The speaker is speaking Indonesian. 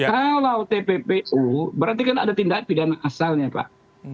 kalau tppu berarti kan ada tindak pidana asalnya pak